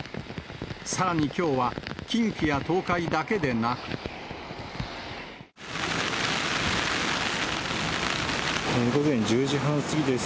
さらにきょうは、近畿や東海だけでなく。午前１０時半過ぎです。